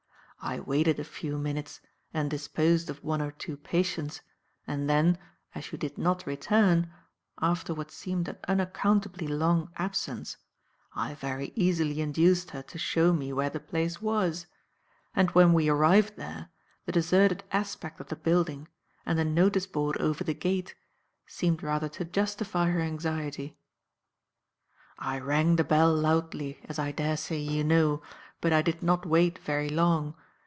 I waited a few minutes and disposed of one or two patients, and then, as you did not return, after what seemed an unaccountably long absence, I very easily induced her to show me where the place was; and when we arrived there, the deserted aspect of the building and the notice board over the gate seemed rather to justify her anxiety. "I rang the bell loudly, as I daresay you know, but I did not wait very long.